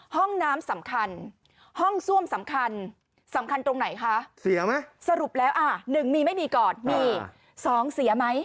ห้องน้ำสำคัญห้องซ่วมสำคัญสำคัญตรงไหนคะเสียไหมสรุปแล้วอ่ะ๑มีไม่มีก่อนมี๒เสียไหม